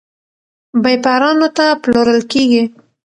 بېپارانو ته پلورل کیږي.